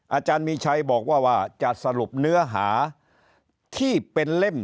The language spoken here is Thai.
อาจารย์มีชัยบอกว่าว่าจะสรุปเนื้อหาที่เป็นเล่ม